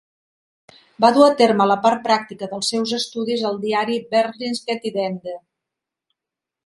Va dur a terme la part pràctica del seus estudis al diari "Berlingske Tidende".